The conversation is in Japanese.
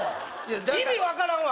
意味分からんわ